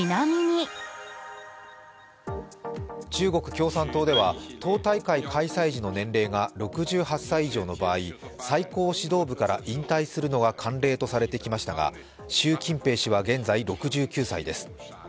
中国共産党では党大会開催時の年齢が６８歳以上の場合、最高指導部から引退するのが慣例とされてきましたが、習近平氏は現在６９歳です。